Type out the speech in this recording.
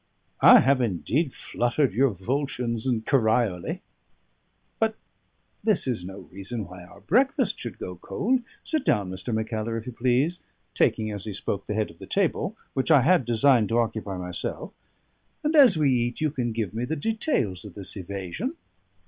I have indeed fluttered your Volscians in Corioli! But this is no reason why our breakfast should go cold. Sit down, Mr. Mackellar, if you please" taking, as he spoke, the head of the table, which I had designed to occupy myself "and as we eat, you can give me the details of this evasion."